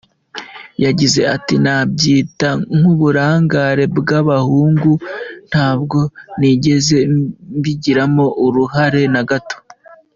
Yagize ati “Nabyita nk’uburangare bw’abahungu, ntabwo nigeze mbigiramo uruhare na gato.